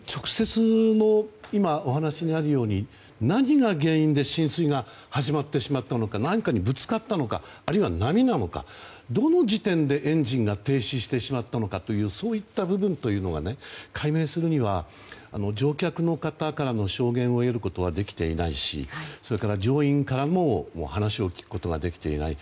今、お話にあるように直接何が原因で浸水が始まってしまったのか何かにぶつかったのかあるいは波なのかどの時点でエンジンが停止してしまったのかそういった部分というのを解明するには乗客の方からの証言を得ることはできていないしそれから乗員からも話を聞くことができていない。